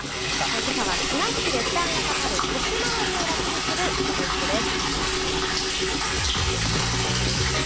けさは、綱引きで負担がかかる腰まわりを楽にするストレッチです。